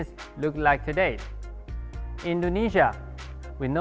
jadi mari kita melihat lebih dalam tren ini